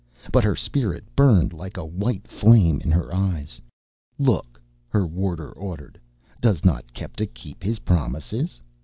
But her spirit burned like a white flame in her eyes. "Look!" her warder ordered. "Does not Kepta keep his promises?